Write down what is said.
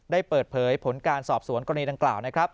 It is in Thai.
ได้เปิดเผยผลการสอบสวนกรณีดังกล่าวนะครับ